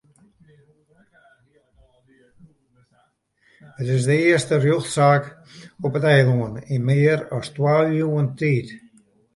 It is de earste rjochtsaak op it eilân yn mear as twa iuwen tiid.